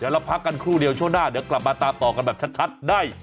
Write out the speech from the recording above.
เราพักกันครู่เดียวช่วงหน้าเดี๋ยวกลับมาตามต่อกันแบบชัดได้